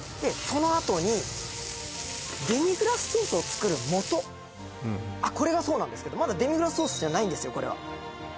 このあとにデミグラスソースを作るもとこれがそうなんですけどまだデミグラスソースじゃないんですよ